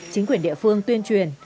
chính quyền địa phương tuyên truyền